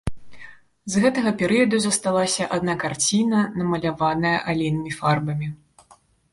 З гэтага перыяду засталася адна карціна, намаляваная алейнымі фарбамі.